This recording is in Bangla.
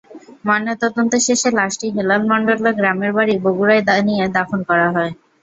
ময়নাতদন্ত শেষে লাশটি হেলাল মণ্ডলের গ্রামের বাড়ি বগুড়ায় নিয়ে দাফন করা হয়।